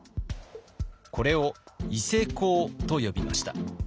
これを伊勢講と呼びました。